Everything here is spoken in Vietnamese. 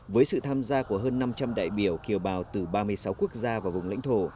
với sự tham gia của hơn năm trăm linh đại biểu kiều bào từ ba mươi sáu quốc gia và vùng lãnh thổ